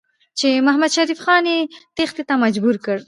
چې محمدشریف خان یې تېښتې ته مجبور کړ.